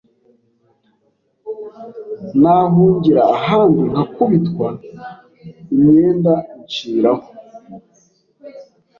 nahungira ahandi nkakubitwa, imyenda inshiraho